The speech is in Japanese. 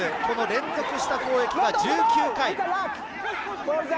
連続した攻撃が１９回。